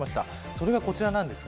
それが、こちらです。